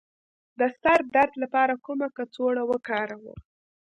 د سر د درد لپاره کومه کڅوړه وکاروم؟